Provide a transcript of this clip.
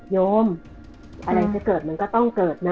โยมอะไรจะเกิดมันก็ต้องเกิดนะ